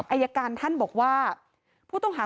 อัยการท่านบอกว่า